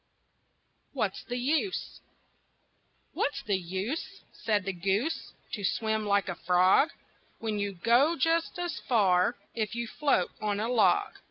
WHAT'S THE USE? "What's the use," Said the goose, "To swim like a frog, When you go just as far If you float on a log?"